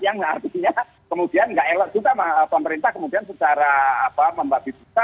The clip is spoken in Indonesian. yang artinya kemudian nggak elok juga pemerintah kemudian secara membabi buka